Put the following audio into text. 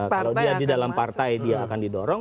kalau dia di dalam partai dia akan didorong